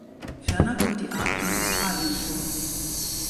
Ferner kommt die Art in Australien vor.